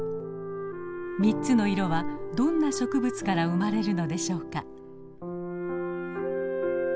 ３つの色はどんな植物から生まれるのでしょうか。